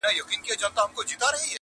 روهیلۍ د روهستان مي څه ښه برېښي،